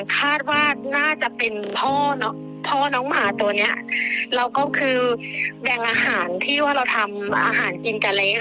คาดว่าน่าจะเป็นพ่อพ่อน้องหมาตัวเนี้ยเราก็คือแบ่งอาหารที่ว่าเราทำอาหารกินกะเละ